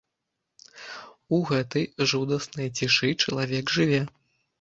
У гэтай жудаснай цішы чалавек жыве!